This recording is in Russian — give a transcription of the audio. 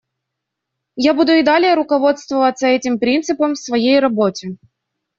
Я буду и далее руководствоваться этим принципом в своей работе.